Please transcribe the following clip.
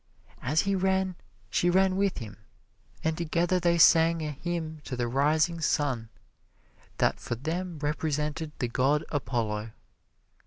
As he ran, she ran with him, and together they sang a hymn to the rising sun, that for them represented the god Apollo.